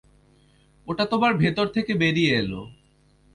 ওটা তোমার ভেতর থেকে বেরিয়ে এলো।